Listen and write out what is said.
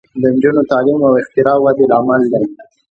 د نجونو تعلیم د اختراع ودې لامل دی.